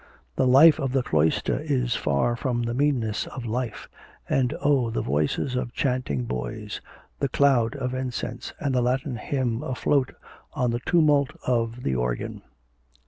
The life of the cloister is far from the meanness of life. And oh! the voices of chanting boys, the cloud of incense, and the Latin hymn afloat on the tumult of the organ.